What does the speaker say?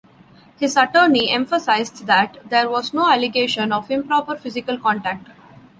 His attorney emphasized that there was no allegation of improper physical contact.